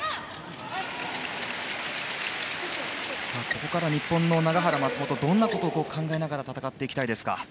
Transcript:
ここから日本の永原、松本はどんなことを考えながら戦っていきたいですか。